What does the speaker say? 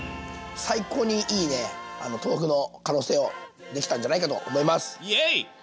最高にいい豆腐の可能性をできたんじゃないかと思います。